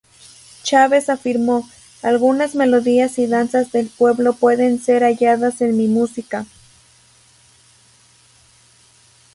Chávez afirmó: "Algunas melodías y danzas del pueblo pueden ser halladas en mi música.